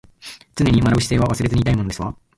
常に学ぶ姿勢は忘れずにいたいものですわ